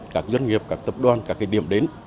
các doanh nghiệp các tập đoàn các điểm đến